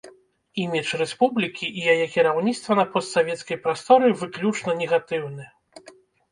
Імідж рэспублікі і яе кіраўніцтва на постсавецкай прасторы выключна негатыўны.